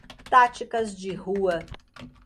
Táticas de Rua